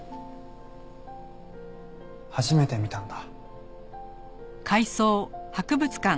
初めて見たんだ。